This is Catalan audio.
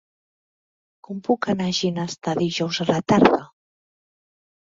Com puc anar a Ginestar dijous a la tarda?